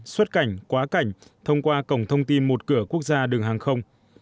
xuất cảnh quá cảnh thông qua cổng thông tin một cửa quốc gia đường hàng không